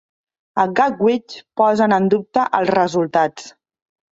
A Gatwick posen en dubte els resultats.